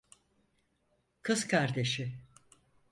Kız kardeşi.